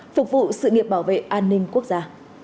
phục vụ sự nghiệp bảo vệ an ninh quốc gia